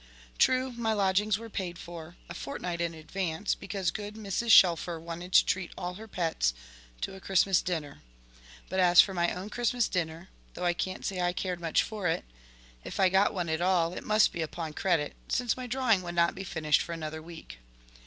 True, my lodgings were paid for, a fortnight in advance, because good Mrs. Shelfer wanted to treat all her pets to a Christmas dinner; but as for my own Christmas dinner though I can't say I cared much for it if I got one at all, it must be upon credit, since my drawing would not be finished for another week.